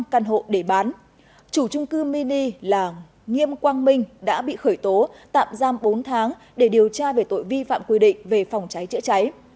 căn hộ để bán chủ trung cư mini là nghiêm quang minh đã bị khởi tố tạm giam bốn tháng để điều tra về tội vi phạm quy định về phòng cháy chữa cháy